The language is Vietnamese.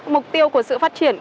mục tiêu của sự phát triển